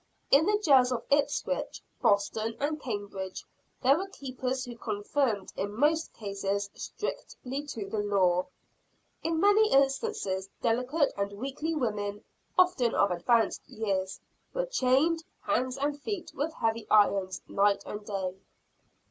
In the jails of Ipswich, Boston and Cambridge, there were keepers who conformed in most cases strictly to the law. In many instances delicate and weakly women, often of advanced years, were chained, hands and feet, with heavy irons, night and day.